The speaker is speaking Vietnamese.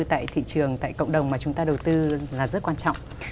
tại thị trường tại cộng đồng mà chúng ta đầu tư là rất quan trọng